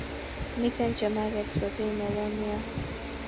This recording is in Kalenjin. Miten chemarket sotik ne won nea